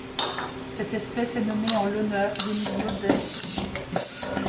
Cette espèce est nommée en l'honneur d'Emilio Dente.